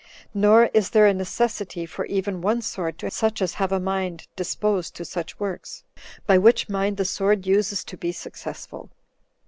Nor is there a necessity for even one sword to such as have a mind disposed to such works, by which mind the sword uses to be successful.